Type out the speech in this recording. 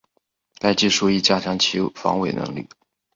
该技术亦加强其防伪能力。